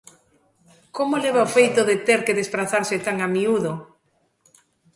Como leva o feito de ter que desprazarse tan a miúdo?